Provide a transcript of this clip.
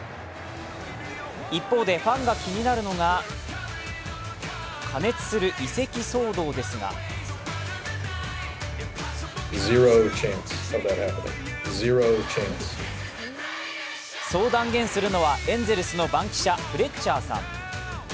一方でファンが気になるのが加熱する移籍騒動ですがそう断言するのはエンゼルスの番記者、フレッチャーさん。